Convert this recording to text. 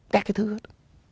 các cái thứ hết